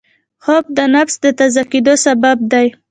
خوب د نفس د تازه کېدو سبب دی